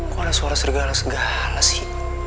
kok ada suara segala sih